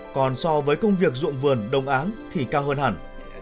còn so với công việc dụng vườn đồng áng thì cao hơn hẳn